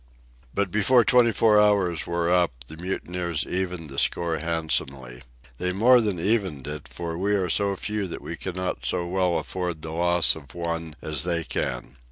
But before twenty four hours were up the mutineers evened the score handsomely. They more than evened it, for we are so few that we cannot so well afford the loss of one as they can.